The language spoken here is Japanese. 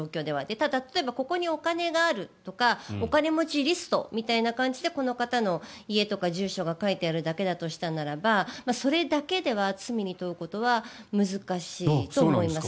ただ、例えばここにお金があるとかお金持ちリストみたいな感じでこの方の家とか住所とかが書いてあるだけだとすればそれだけでは罪に問うことは難しいと思います。